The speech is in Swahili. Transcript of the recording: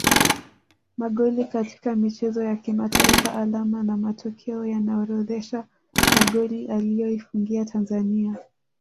Magoli katika michezo ya kimataifa Alama na matokeo yanaorodhesha magoli aliyoifungia Tanzania